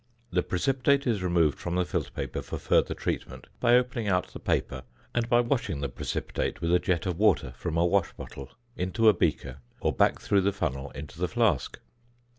The precipitate is removed from the filter paper for further treatment by opening out the paper and by washing the precipitate with a jet of water from a wash bottle into a beaker, or back through the funnel into the flask.